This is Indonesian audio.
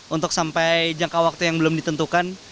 untuk sampai jangka waktu yang belum ditentukan